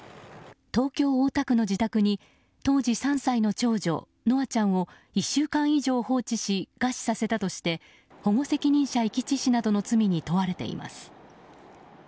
東京・大田区の自宅に当時３歳の長女・稀華ちゃんを１週間以上放置し餓死させたとして保護責任者遺棄致死などの罪に問われています。